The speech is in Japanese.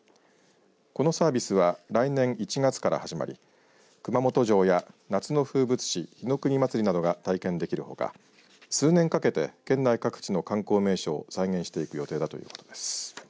このサービスは来年１月から始まり熊本城や夏の風物詩火の国まつりなどが体験できるほか、数年かけて県内各地の観光名所を再現していく予定だということです。